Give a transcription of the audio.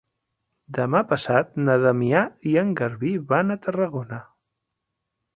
Demà passat na Damià i en Garbí van a Tarragona.